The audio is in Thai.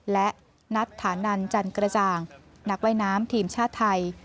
และนัทธานันจันกระจ่างนักว่ายน้ำทีมชาติไทย